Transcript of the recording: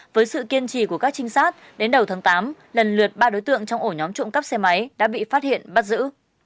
với sự kiên trì của các trinh sát đến đầu tháng tám lần lượt ba đối tượng trong ổ nhóm trộm cắp xe máy đã bị phát hiện bắt giữ